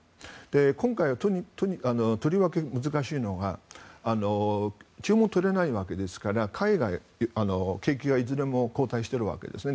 今回はとりわけ難しいのが基本取れないわけですから海外、景気がいずれも後退しているわけですね。